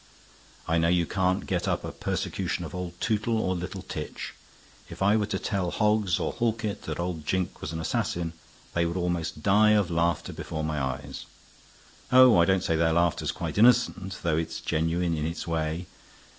I know you can't get up a persecution of old Toole or Little Tich. If I were to tell Hoggs or Halkett that old Jink was an assassin, they would almost die of laughter before my eyes. Oh, I don't say their laughter's quite innocent, though it's genuine in its way.